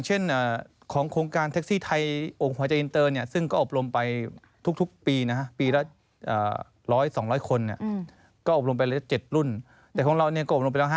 ใช่ค่ะถูกต้องครับใช่ครับ